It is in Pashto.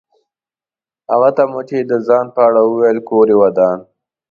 هغه ته مو چې د ځان په اړه وویل کور یې ودان.